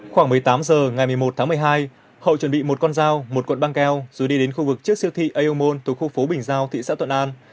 khoảng một mươi tám h ngày một mươi một tháng một mươi hai hậu chuẩn bị một con dao một cuộn băng keo rồi đi đến khu vực trước siêu thị ayomon thuộc khu phố bình giao thị xã thuận an